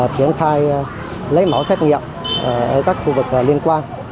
triển khai lấy mẫu xét nghiệm ở các khu vực liên quan